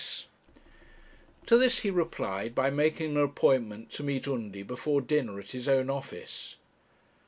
S.' To this he replied by making an appointment to meet Undy before dinner at his own office.